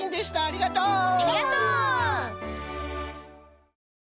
ありがとう！